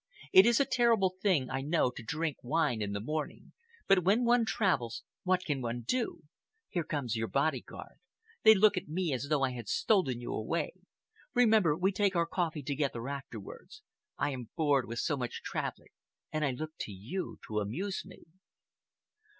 It is a terrible thing, I know, to drink wine in the morning, but when one travels, what can one do? Here come your bodyguard. They look at me as though I had stolen you away. Remember we take our coffee together afterwards. I am bored with so much traveling, and I look to you to amuse me."